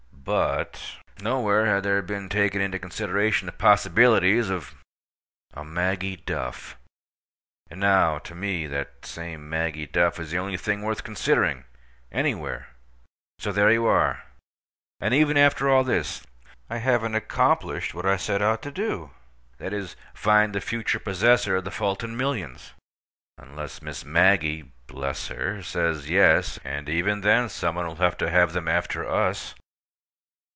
But—nowhere had there been taken into consideration the possibilities of—a Maggie Duff. And now, to me, that same Maggie Duff is the only thing worth considering—anywhere. So there you are! And even after all this, I haven't accomplished what I set out to do—that is, find the future possessor of the Fulton millions (unless Miss Maggie—bless her!—says "yes." And even then, some one will have to have them after us).